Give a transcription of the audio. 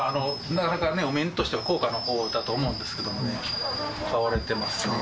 なかなかお面としては、高価なほうだと思うんですけどもね、買われてますね。